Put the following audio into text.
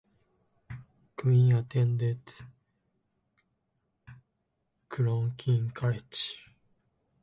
Quinn attended Clonkeen College.